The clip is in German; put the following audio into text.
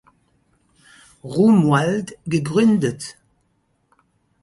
Romuald gegründet.